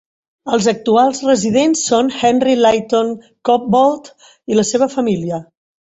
Els actuals residents són Henry Lytton-Cobbold i la seva família.